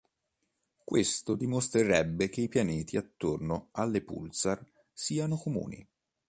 Questo dimostrerebbe che i pianeti attorno alle pulsar siano comuni.